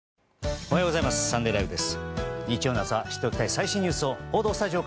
おはようございます。